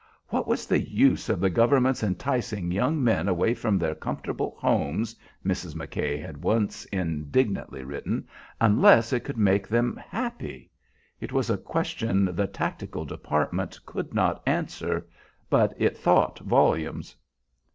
"What was the use of the government's enticing young men away from their comfortable homes," Mrs. McKay had once indignantly written, "unless it could make them happy?" It was a question the "tactical department" could not answer, but it thought volumes.